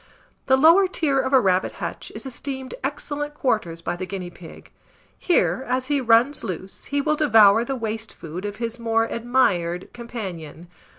The lower tier of a rabbit hutch is esteemed excellent quarters by the guinea pig: here, as he runs loose, he will devour the waste food of his more admired companion.